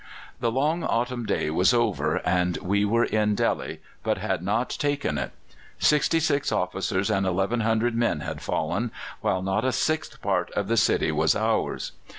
The long autumn day was over, and we were in Delhi, but had not taken it. Sixty six officers and 1,100 men had fallen, while not a sixth part of the city was ours.